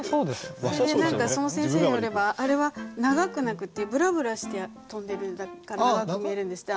それで何かその先生によればあれは長くなくてぶらぶらして飛んでるから長く見えるんですって。